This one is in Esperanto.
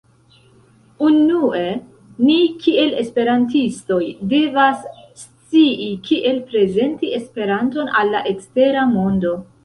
Unue, ni kiel Esperantistoj, devas scii kiel prezenti Esperanton al la ekstera mondo